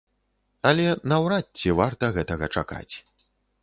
Але наўрад ці варта гэтага чакаць.